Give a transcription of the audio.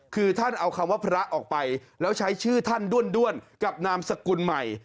คือท่านเอาคำว่าพระออกไปแล้วใช้ชื่อท่านด้วนกับนามสกุลใหม่